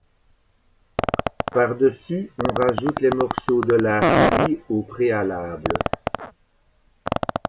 Par-dessus, on rajoute les morceaux de lard cuits au préalable.